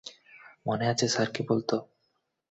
মনে আছে স্যার কী বলতো?